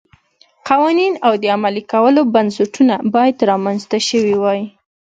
قوانین او د عملي کولو بنسټونه باید رامنځته شوي وای